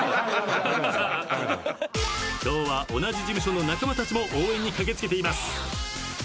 今日は同じ事務所の仲間たちも応援に駆け付けています。